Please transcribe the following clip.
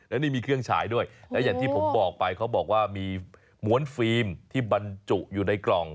แล้วนี่มีเครื่องฉายด้วยและอย่างที่ผมบอกไปเขาบอกว่ามีม้วนฟิล์มที่บรรจุอยู่ในกล่อง